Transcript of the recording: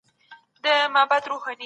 کمپيوټر پوښ لري.